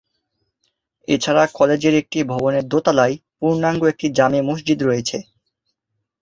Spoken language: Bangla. এছাড়া কলেজের একটি ভবনের দোতলায় পূর্ণাঙ্গ একটি জামে মসজিদ রয়েছে।